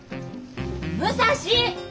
武蔵！